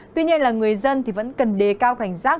tuy nhiên là người dân vẫn cần đề cao cảnh giác